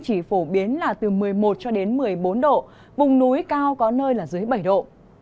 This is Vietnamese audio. chỉ phổ biến là từ một mươi một cho đến một mươi bốn độ vùng núi cao có nơi là dưới bảy độ